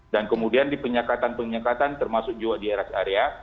dan kemudian di penyekatan penyekatan termasuk juga di eras area